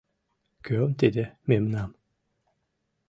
— Кӧм тиде «мемнам»?